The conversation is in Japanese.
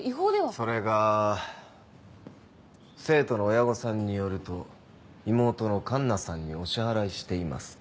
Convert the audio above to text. それが生徒の親御さんによると「妹の奏奈さんにお支払いしています」と。